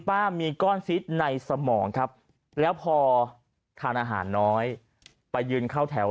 มีก้อนซิดในสมองครับแล้วพอทานอาหารน้อยไปยืนเข้าแถว